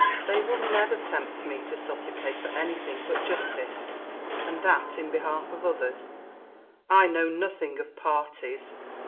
They will never tempt me to supplicate for anything but justice, and that in behalf of others. I know nothing of parties.